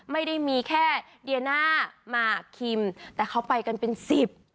ไม่ได้มีแค่เดียน่ามาร์คิมแต่เขาไปกันเป็นสิบ